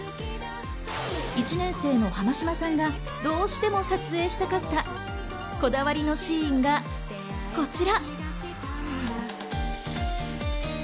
１年生の濱島さんがどうしても撮影したかったこだわりのシーンがこちら。